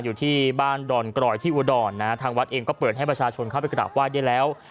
อยู่ที่บ้านดอนกรอยที่อุดรนะฮะทางวัดเองก็เปิดให้ประชาชนเข้าไปกราบไหว้ได้แล้ว